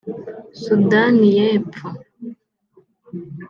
Sudani y’Epfo